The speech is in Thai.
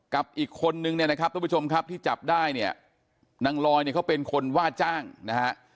กับอีกคนนึงนะครับทุกผู้ชมที่จับได้เนี่ยนางลอยเขาเป็นคนว่าจ้างนะฮะ